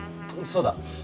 そうだ。